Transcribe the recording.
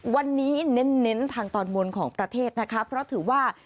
วันนี้เน้นทางตอนบนของประเทศนะคะเพราะถือว่า